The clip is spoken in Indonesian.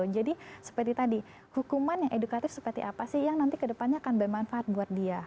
jadi seperti tadi hukuman yang edukatif seperti apa sih yang nanti kedepannya akan bermanfaat buat dia